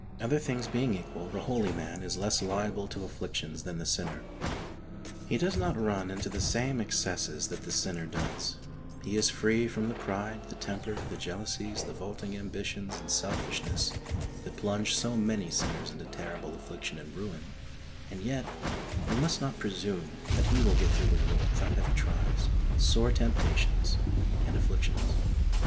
Other things being equal the holy man is less liable to afflictions than the sinner. He does not run into the same excesses that the sinner does, he is free from the pride, the temper, the jealousies, the vaulting ambitions, and selfishness, that plunge so many sinners into terrible affliction and ruin, and yet he must not presume that he will get through the world without heavy trials, sore temptations and afflictions.